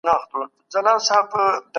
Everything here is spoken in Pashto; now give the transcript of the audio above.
پوه سړی تل د حق خبره کوي.